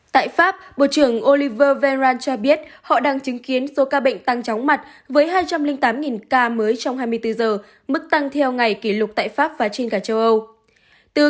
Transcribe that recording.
tại pháp bộ trưởng oliver venean cho biết họ đang chứng kiến số ca bệnh tăng chóng mặt với hai trăm linh tám ca mới trong hai mươi bốn giờ mức tăng theo ngày kỷ lục tại pháp và trên cả châu âu